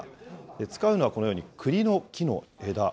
使うのはこのように、くりの木の枝。